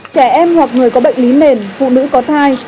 trẻ em hoặc người có bệnh lý nền phụ nữ có thai